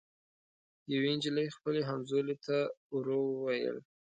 یوې نجلۍ خپلي همزولي ته ورو ووېل